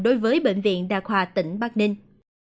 đối với bệnh viện đa khoa tỉnh bắc ninh